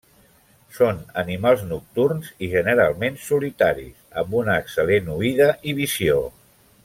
Són animals nocturns i generalment solitaris, amb una excel·lent oïda i visió.